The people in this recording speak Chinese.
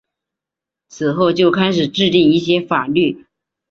此后就开始制定一些法律。